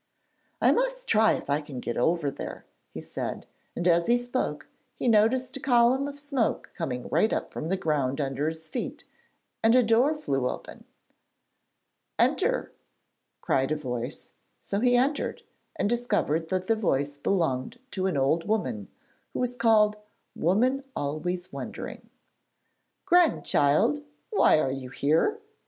'I must try if I can get over there,' he said, and as he spoke, he noticed a column of smoke coming right up from the ground under his feet, and a door flew open. 'Enter!' cried a voice, so he entered, and discovered that the voice belonged to an old woman, who was called 'Woman always wondering.' 'Grandchild, why are you here?'